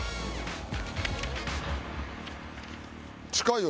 近いよ